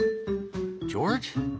ジョージ？